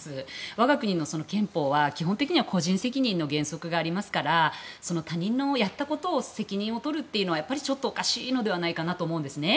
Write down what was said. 我が国の憲法は基本的には個人責任の原則がありますから他人のやったことの責任を取るというのはちょっとおかしいのではないかと思うんですね。